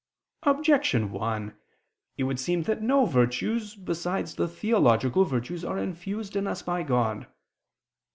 Objection 1: It would seem that no virtues besides the theological virtues are infused in us by God.